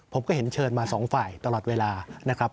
ผมก็เห็นเชิญมาสองฝ่ายตลอดเวลานะครับ